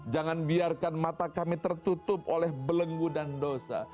jangan biarkan mata kami tertutup oleh belenggu dan dosa